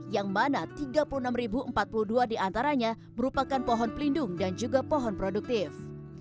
yang mana tiga puluh enam empat puluh dua diantaranya merupakan pohon pelindung dan juga pohon produktif